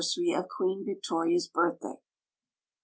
sary of Queen Victoria's birthday.